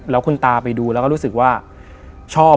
แล้วคุณตาไปดูแล้วก็รู้สึกว่าชอบ